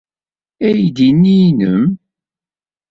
Aydi-nni nnem?